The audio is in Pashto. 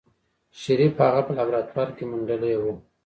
شريف هغه په لابراتوار کې منډلې وه.